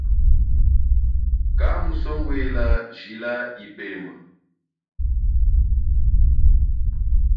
Kamusongwela jila yipema.